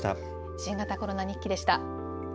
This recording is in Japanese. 新型コロナ日記でした。